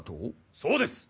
そうです。